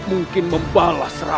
jagad dewa batara